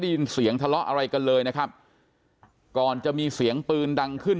ได้ยินเสียงทะเลาะอะไรกันเลยนะครับก่อนจะมีเสียงปืนดังขึ้น